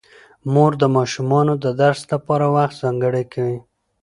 مور د ماشومانو د درس لپاره وخت ځانګړی کوي